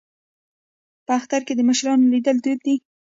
په اختر کې د مشرانو لیدل دود دی.